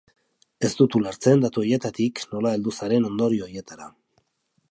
Ez dut ulertzen datu horietatik nola heldu zaren ondorio horietara.